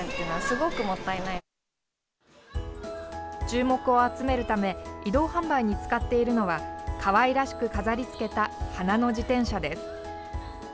注目を集めるため移動販売に使っているのはかわいらしく飾りつけた花の自転車です。